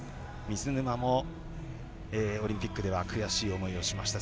水沼もオリンピックでは悔しい思いをしました。